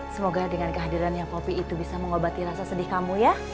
semoga dengan kehadiran yang poppy itu bisa mengobati rasa sedih kamu ya